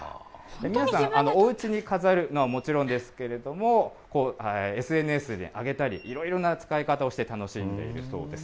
皆さん、おうちに飾るのはもちろんですけれども、ＳＮＳに上げたり、いろいろな使い方をして楽しんでいるそうです。